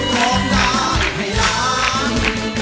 ร้องได้ให้ล้าน